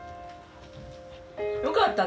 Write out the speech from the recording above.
よかった。